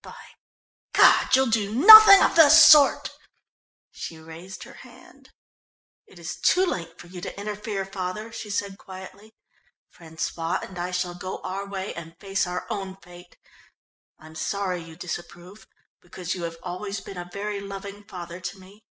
"By God, you'll do nothing of the sort!" She raised her hand. "It is too late for you to interfere, father," she said quietly. "François and I shall go our way and face our own fate. I'm sorry you disapprove, because you have always been a very loving father to me."